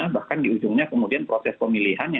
bahkan di ujungnya kemudian proses pemilihannya